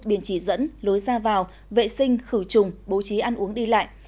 biển chỉ dẫn lối ra vào vệ sinh khử trùng bố trí ăn uống đi lại